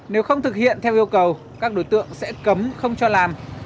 nếu không thực hiện theo yêu cầu các đối tượng sẽ cấm không cho làm